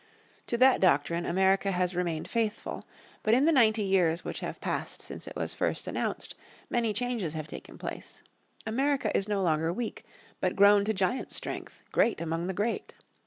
To that doctrine America has remained faithful. But in the ninety years which have passed since it was first announced many changes have taken place. America is no longer weak, but grown to giant's strength, great among the great.